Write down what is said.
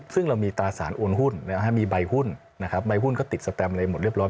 ซึ่งเรามีตราสารโอนหุ้นมีใบหุ้นนะครับใบหุ้นก็ติดสแตมอะไรหมดเรียบร้อ